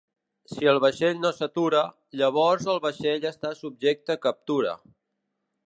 Si el vaixell no s'atura, llavors el vaixell està subjecte a captura.